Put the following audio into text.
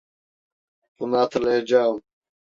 Bunu hatırlayacağım.